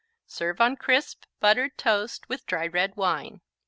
Serve on crisp, buttered toast with a dry red wine.